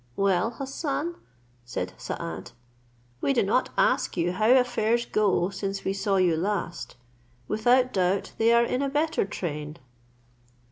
"Well, Hassan," said Saad, "we do not ask you how affairs go since we saw you last; without doubt they are in a better train."